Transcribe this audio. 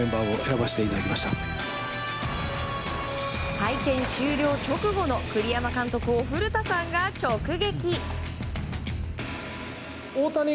会見終了直後の栗山監督を古田さんが直撃。